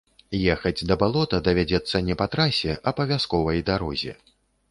Ехаць да балота давядзецца не па трасе, а па вясковай дарозе.